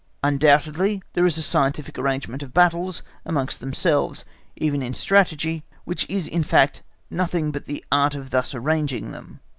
Undoubtedly there is a scientific arrangement of battles amongst themselves, even in Strategy, which is in fact nothing but the Art of thus arranging them.